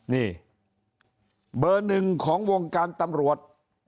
นี่เบอร์หนึ่งของวงการตำรวจ